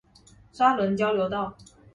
沙崙交流道